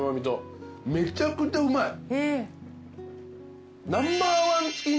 めちゃくちゃうまい。